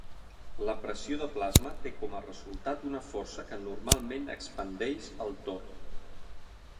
La pressió de plasma té com a resultat una força que normalment expandeix el tor.